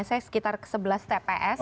saya sekitar sebelas tps